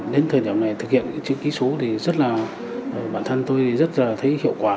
đến thời điểm này thực hiện chữ ký số bản thân tôi rất là thấy hiệu quả